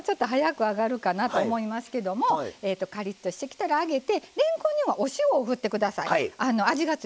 れんこんのほうが早く揚がるかなと思いますけどカリッとしてきたらあげてれんこんにはお塩を振ってください。